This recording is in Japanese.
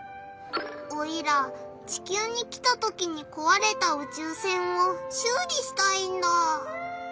オイラ地きゅうに来たときにこわれたうちゅう船をしゅう理したいんだ。